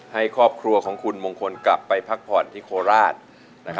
ให้ครอบครัวของคุณมงคลกลับไปพักผ่อนที่โคราช